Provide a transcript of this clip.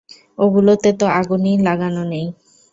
ওগুলোতে তো আগুনই লাগানো নেই।